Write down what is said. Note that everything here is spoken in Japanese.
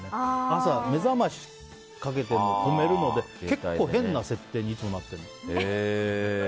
朝、目覚ましかけて止めるので結構、変な設定にいつもなってるの。